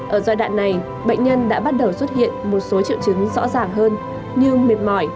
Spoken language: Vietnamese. ở giai đoạn này bệnh nhân đã bắt đầu xuất hiện một số triệu chứng rõ ràng hơn như mệt mỏi